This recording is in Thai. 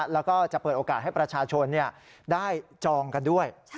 แล้วก็จะเปิดโอกาสให้ประชาชนได้จองกันด้วย